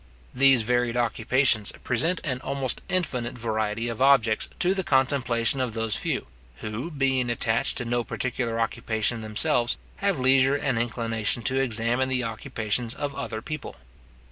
These varied occupations present an almost infinite variety of objects to the contemplation of those few, who, being attached to no particular occupation themselves, have leisure and inclination to examine the occupations of other people.